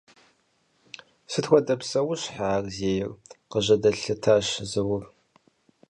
— Сыт хуэдэ псэущхьэ ар зейр? — къыжьэдэлъэтащ Заур.